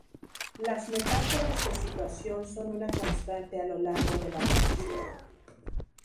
Las metáforas de situación son una constante a lo largo de la narración.